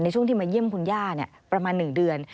ช่วงที่มาเยี่ยมคุณย่าประมาณ๑เดือน